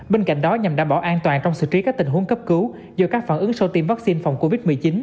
bên cạnh đó nhằm đảm bảo an toàn trong xử trí các tình huống cấp cứu do các phản ứng sau tiêm vaccine phòng covid một mươi chín